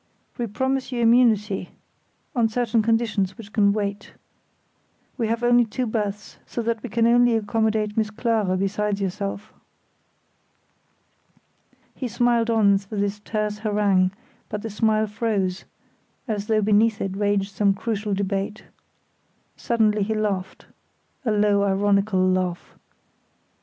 We promise you immunity—on certain conditions, which can wait. We have only two berths, so that we can only accommodate Miss Clara besides yourself." He smiled on through this terse harangue, but the smile froze, as though beneath it raged some crucial debate. Suddenly he laughed (a low, ironical laugh).